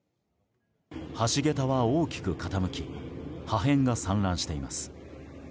橋げたは大きく傾き破片が散乱しています。